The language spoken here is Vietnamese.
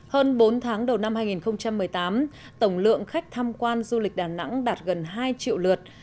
hơn bốn tháng đầu năm hai nghìn một mươi tám tổng lượng khách tham quan du lịch đà nẵng đạt gần hai triệu lượt